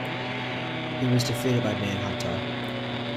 He was defeated by Manhunter.